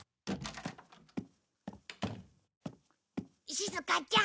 しずかちゃん。